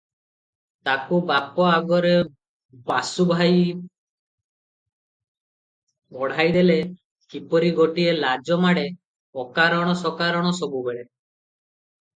ତାକୁ ବାପ ଆଗରେ ବାସୁଭାଇ ପଢ଼ାଇଦେଲେ କିପରି ଗୋଟାଏ ଲାଜ ମାଡ଼େ; ଅକାରଣ ସକାରଣ ସବୁବେଳେ